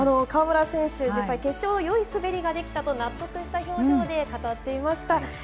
川村選手、実は決勝、よい滑りができたと納得した表情で語っていました。